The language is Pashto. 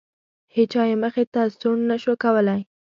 هیچا یې مخې ته سوڼ نه شو کولی.